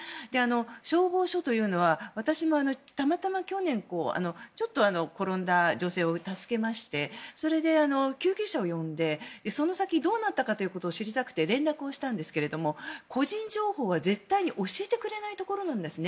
消防署というのは私も、たまたま去年ちょっと転んだ女性を助けましてそれで救急車を呼んでその先、どうなったかということを知りたくて連絡をしたんですが個人情報は絶対に教えてくれないところなんですね。